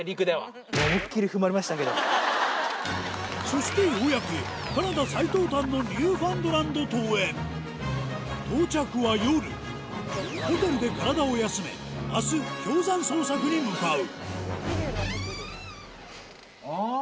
そしてようやくカナダ最東端のニューファンドランド島へ到着は夜ホテルで体を休めあぁ！